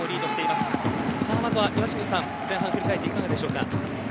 まずは岩清水さん前半振り返っていかがでしょうか。